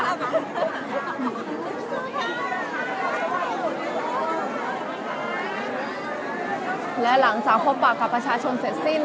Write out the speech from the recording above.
และที่อยู่ด้านหลังคุณยิ่งรักนะคะก็คือนางสาวคัตยาสวัสดีผลนะคะ